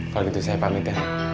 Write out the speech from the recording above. kalau gitu saya pamit ya